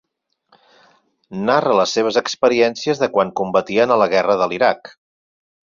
Narra les seves experiències de quan combatien a la guerra de l'Iraq.